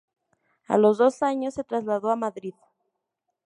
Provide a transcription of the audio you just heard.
A los dos años se trasladó a Madrid.